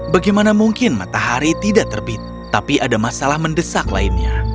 bagaimana mungkin matahari tidak terbit tapi ada masalah mendesak lainnya